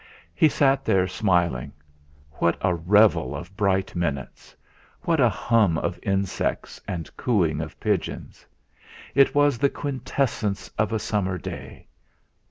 He sat there smiling. What a revel of bright minutes! What a hum of insects, and cooing of pigeons! It was the quintessence of a summer day.